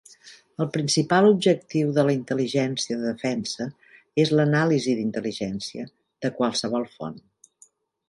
El principal objectiu de la intel·ligència de defensa és l'anàlisi d'intel·ligència "de qualsevol font".